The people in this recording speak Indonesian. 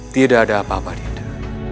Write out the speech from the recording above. tidak ada apa apa dina